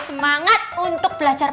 semangat untuk belajar